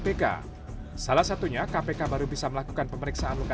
dengan alasan berobat ke singapura